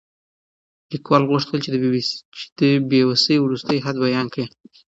لیکوال غوښتل چې د بې وسۍ وروستی حد بیان کړي.